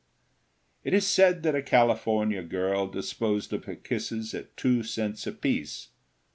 It is said that a California girl disposed of her kisses at two cents apiece.